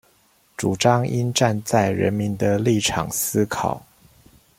主張應站在人民的立場思考